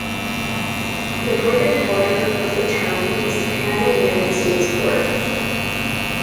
The northern border of the town is the Canada-United States border.